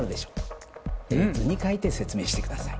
図に描いて説明してください。